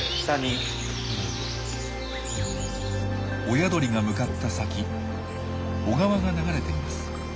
親鳥が向かった先小川が流れています。